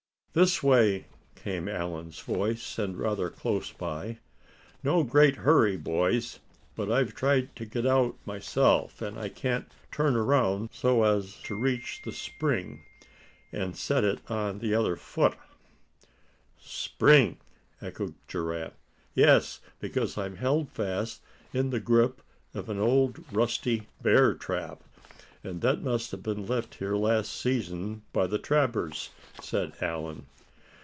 "This way!" came in Allan's voice, and rather close by. "No great hurry, boys; but I've tried to get out myself, and can't turn around so as to reach the spring, and step on it with the other foot." "Spring!" echoed Giraffe. "Yes, because I'm held fast in the grip of an old rusty bear trap, that must have been left here last season by the trappers," said Allan.